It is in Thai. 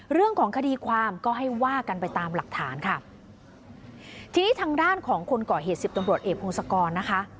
เรื่องของคดีความก็ให้ว่ากันไปตามหลักฐานค่ะทีนี้ทางด้านของคนก่อเหตุสิบตำรวจเอกพงศกรนะคะ